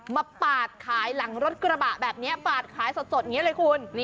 ปาดขายหลังรถกระบะแบบนี้ปาดขายสดอย่างนี้เลยคุณ